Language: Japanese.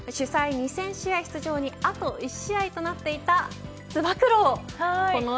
２０００試合出場にあと１試合となっていたつば九郎。